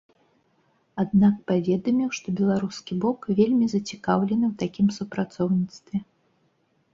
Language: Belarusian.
Аднак паведаміў, што беларускі бок вельмі зацікаўлены ў такім супрацоўніцтве.